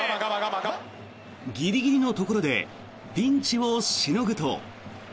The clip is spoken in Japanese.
ギリギリのところでピンチをしのぐと。